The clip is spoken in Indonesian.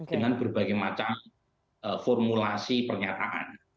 dengan berbagai macam formulasi pernyataan